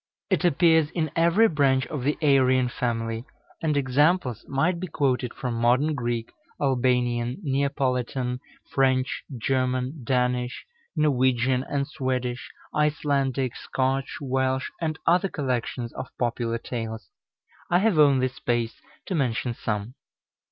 It appears in every branch of the Aryan family, and examples might be quoted from Modern Greek, Albanian, Neapolitan, French, German, Danish, Norwegian and Swedish, Icelandic, Scotch, Welsh, and other collections of popular tales. I have only space to mention some.